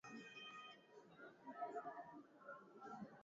kwa sababu ya utendaji wao wa kazi